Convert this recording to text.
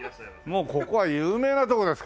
もうここは有名な所ですから。